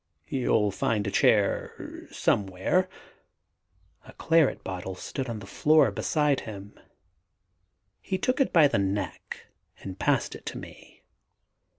"You'll find a chair somewhere." A claret bottle stood on the floor beside him. He took it by the neck and passed it to me.